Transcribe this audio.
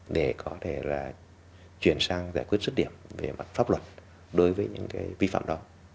để có thể là chuyển sang giải quyết xuất điểm về mặt pháp luật đối với những cái vi phạm đó